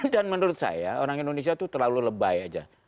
dan menurut saya orang indonesia itu terlalu lebay aja